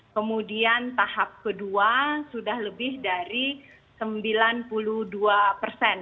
kemudian tahap kedua sudah lebih dari sembilan puluh dua persen